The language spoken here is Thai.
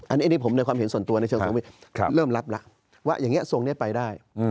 อันนี้ผมในความเห็นส่วนตัวในเชิงสมมุติเริ่มรับแล้วว่าอย่างนี้ทรงนี้ไปได้